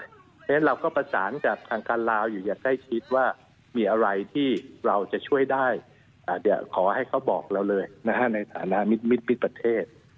เพราะฉะนั้นเราก็ประสานกับทางการลาวอยู่อย่างใกล้ชิดว่ามีอะไรที่เราจะช่วยได้เดี๋ยวขอให้เขาบอกเราเลยในฐานะมิดประเทศ